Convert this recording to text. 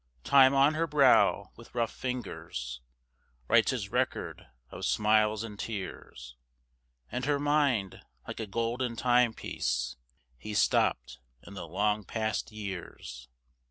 Time on her brow with rough fingers Writes his record of smiles and tears; And her mind, like a golden timepiece, He stopped in the long past years.